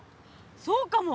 そうかも！